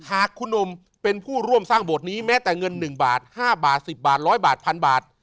หากคุณอมเป็นผู้ร่วมสร้างบวชนี้แม้แต่เงินหนึ่งบาทห้าบาทสิบบาทร้อยบาทพันบาท